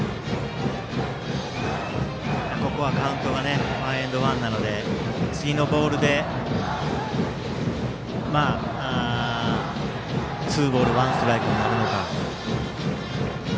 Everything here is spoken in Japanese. ここはカウントがワンエンドワンなので次のボールでツーボールワンストライクになるのか。